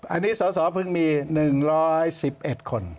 อันนี้สสเพิ่งมี๑๑๑คน